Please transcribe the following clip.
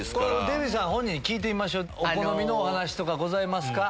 デヴィさん本人に聞いてみましょお好みのお話とかございますか？